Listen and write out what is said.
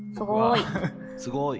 すごい。